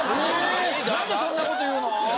何でそんなこと言うの？